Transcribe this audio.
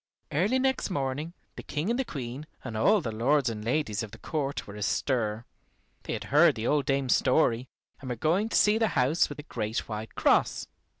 Early next morning the King and Queen and all the lords and ladies of the court were astir. They had heard the old dame's story, and were going to see the house with the great white cross.